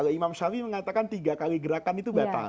nah kalau imam shalwi mengatakan tiga kali gerakan itu batal